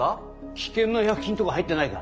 危険な薬品とか入ってないか？